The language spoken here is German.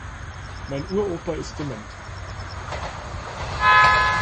Mein Uropa ist dement.